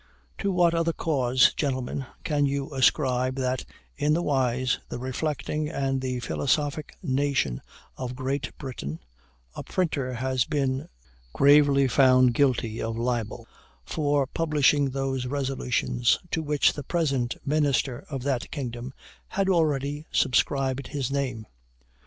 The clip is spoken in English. To what other cause, gentlemen, can you ascribe that, in the wise, the reflecting, and the philosophic nation of Great Britain, a printer has been gravely found guilty of a libel for publishing those resolutions to which the present minister of that kingdom had already subscribed his name?